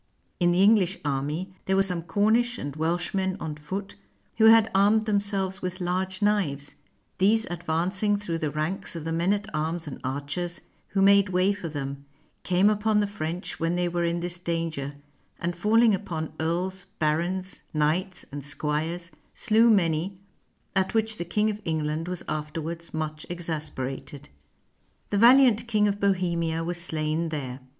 In the English army there were some Cornish and Welsh men on foot, who had 176 THE BATTLE OF CRECY armed themselves with large knives: these advancing through the ranks of the men at arms and archers, who made way for them, came upon the French when they were in this danger, and falling upon earls, barons, knights, and squires slew many, at which the King of England was afterwards much exasperated. The valiant King of Bohemia was slain there.